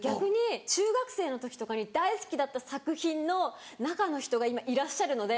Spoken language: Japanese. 逆に中学生の時とかに大好きだった作品の中の人が今いらっしゃるので。